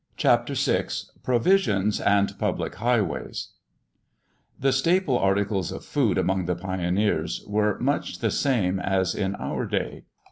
*CHAPTER VI* *PROVISIONS AND PUBLIC HIGHWAYS* The staple articles of food among the pioneers were much the same as in our day.